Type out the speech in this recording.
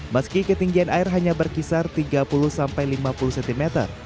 meski ketinggian air hanya berkisar tiga puluh sampai lima puluh cm